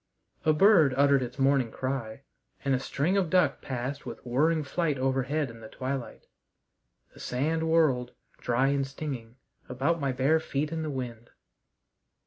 A bird uttered its morning cry, and a string of duck passed with whirring flight overhead in the twilight. The sand whirled, dry and stinging, about my bare feet in the wind.